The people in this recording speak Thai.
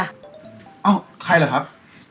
เอ้าใครเหรอครับ